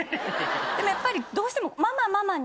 でもやっぱりどうしても。